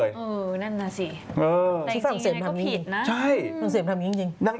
อย่างนี้จริง